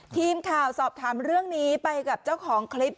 ทีมข่าวสอบถามเรื่องนี้ไปกับเจ้าของคลิป